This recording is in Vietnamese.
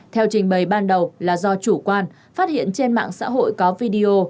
theo trình bày ban đầu là do chủ quan phát hiện trên mạng xã hội có video